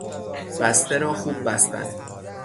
بسته را خوب بستن